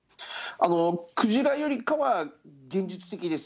クジラよりかは、現実的です。